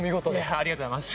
ありがとうございます。